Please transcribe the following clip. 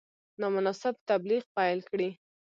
نامناسب تبلیغ پیل کړي.